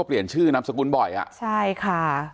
เปลี่ยนชื่อนามสกุลบ่อยอ่ะใช่ค่ะ